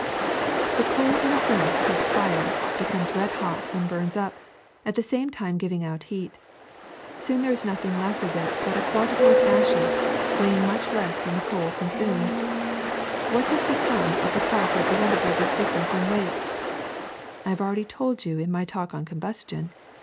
^* The coal in a furnace takes fire, becomes red hot, and burns up, at the same time giving out heat. Soon there is nothing left of it but a quantity of ashes weighing much less than the coal consumed. What has become of the part represented by this difference in weight? I have already told you in my talk on combustion.